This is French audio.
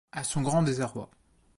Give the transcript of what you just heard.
À son grand désarroi.